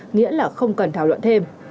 nghĩa là không cần thảo luận thêm